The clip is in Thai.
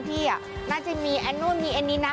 พี่น่าจะมีอันนู้นมีอันนี้นะ